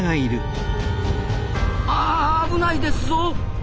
あ危ないですぞ！